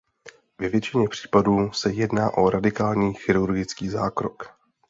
Ve většině případů se jedná o radikální chirurgický zákrok.